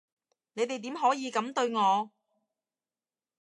你哋點可以噉對我？